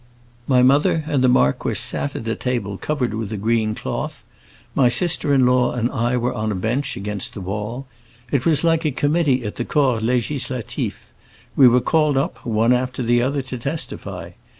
My mother and the marquis sat at a table covered with green cloth; my sister in law and I were on a bench against the wall. It was like a committee at the Corps Législatif. We were called up, one after the other, to testify.